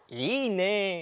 いいね！